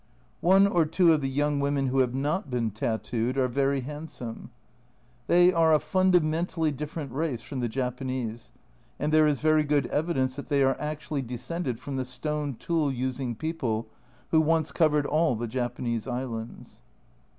One or two of the young women who have not been tattooed are very handsome. They are a fundamentally different race from the Japanese, and there is very good evidence that they are actually descended from the stone tool using people, who once covered all the Japanese islands.